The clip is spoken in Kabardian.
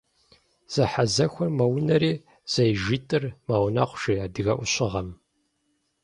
Зэхьэзэхуэр мэунэри, зэижитӀыр мэунэхъу, жи адыгэ Ӏущыгъэм.